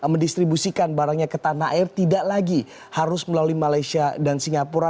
mendistribusikan barangnya ke tanah air tidak lagi harus melalui malaysia dan singapura